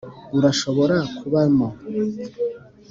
urashobora kubamo,